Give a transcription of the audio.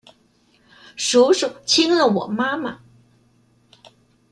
叔叔親了我媽媽